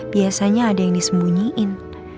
biasanya ada yang disembunyiin